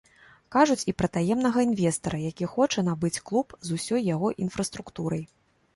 Кажуць і пра таемнага інвестара, які хоча набыць клуб з усёй яго інфраструктурай.